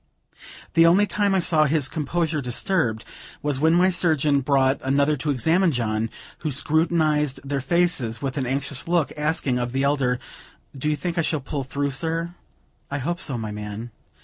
The only time I saw his composure disturbed, was when my surgeon brought another to examine John, who scrutinized their faces with an anxious look, asking of the elder: "Do you think I shall pull through, sir?" "I hope so, my man."